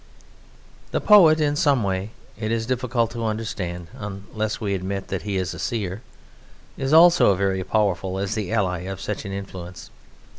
The poet, in some way it is difficult to understand (unless we admit that he is a seer), is also very powerful as the ally of such an influence.